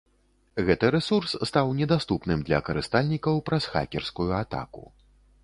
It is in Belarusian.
Гэты рэсурс стаў недаступным для карыстальнікаў праз хакерскую атаку.